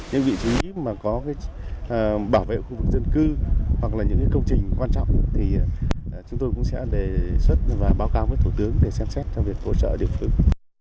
những vị trí mà có cái bảo vệ khu vực dân cư hoặc là những công trình quan trọng thì chúng tôi cũng sẽ đề xuất và báo cáo với thủ tướng để xem xét trong việc hỗ trợ địa phương